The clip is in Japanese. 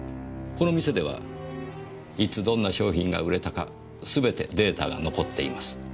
この店ではいつどんな商品が売れたかすべてデータが残っています。